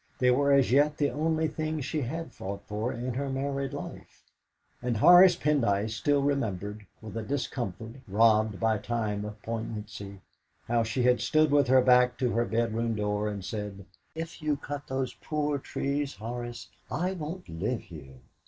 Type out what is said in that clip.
They were as yet the only things she had fought for in her married life, and Horace Pendyce still remembered with a discomfort robbed by time of poignancy how she had stood with her back to their bedroom door and said, "If you cut those poor trees, Horace, I won't live here!"